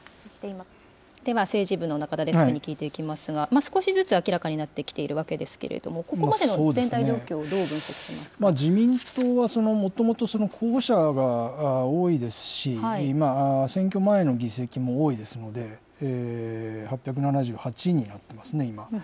では、政治部の中田デスクに聞いていきますが、少しずつ明らかになってきているわけですけれども、ここまでの全体状況、自民党はもともと、候補者が多いですし、選挙前の議席も多いですので、８７８になってますね、今。